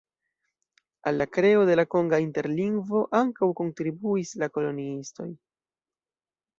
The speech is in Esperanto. Al la kreo de la konga interlingvo ankaŭ kontribuis la koloniistoj.